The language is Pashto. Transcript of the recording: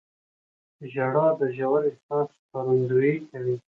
• ژړا د ژور احساس ښکارندویي کوي.